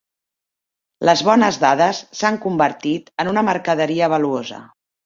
Les bones dades s'han convertit en una mercaderia valuosa.